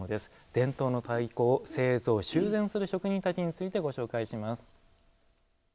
伝統の太鼓を製造・修繕する職人たちについてご紹介します。